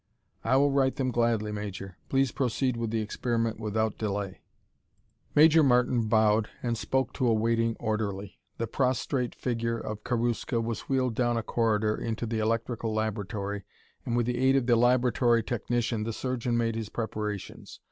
"I will write them gladly, Major. Please proceed with the experiment without delay." Major Martin bowed and spoke to a waiting orderly. The prostrate figure of Karuska was wheeled down a corridor into the electrical laboratory, and with the aid of the laboratory technician the surgeon made his preparations.